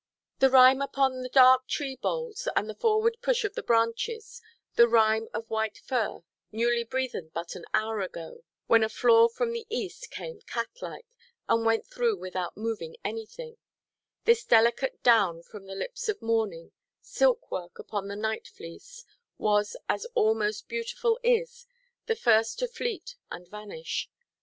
The rime upon the dark tree–boles and the forward push of the branches, the rime of white fur, newly breathen but an hour ago, when a flaw from the east came cat–like, and went through without moving anything; this delicate down from the lips of morning, silk work upon the night–fleece, was, as all most beautiful is, the first to fleet and vanish.